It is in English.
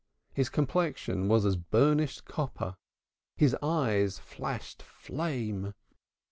His complexion was as burnished copper, his eyes flashed flame.